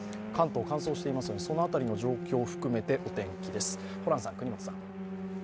関東、乾燥していますのでその辺りの状況含めてお天気です。